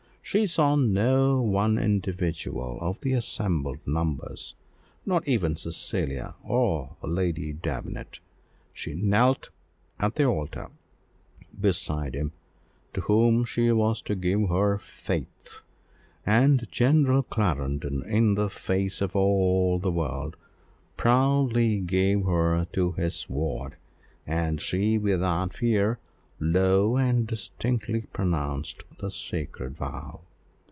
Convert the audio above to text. She saw no one individual of the assembled numbers, not even Cecilia or Lady Davenant. She knelt at the altar beside him to whom she was to give her faith, and General Clarendon, in the face of all the world, proudly gave her to his ward, and she, without fear, low and distinctly pronounced the sacred vow.